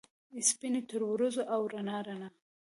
سپینې ترورځو ، او رڼا ، رڼا